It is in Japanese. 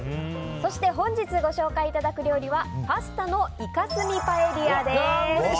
そして本日ご紹介いただく料理はパスタのイカ墨パエリアです。